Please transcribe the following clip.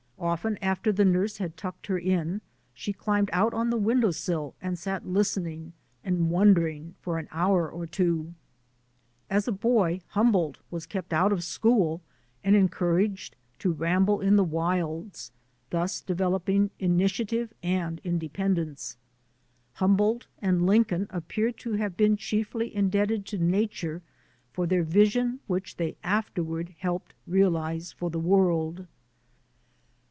Often after the nurse had tucked her in she climbed out on the window sill and sat listening and wondering for an hour or two. As a boy Humboldt was kept out of school and encouraged to ramble in the wilds, thus developim: initiative and independence. Humboldt and Lin coln appear to have been chiefly indebted to na ture for their vision which they afterward helped realize for the world.